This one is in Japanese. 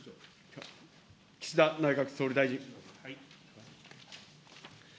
岸田内閣総理大臣。